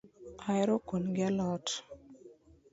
Ahero kuon gi alot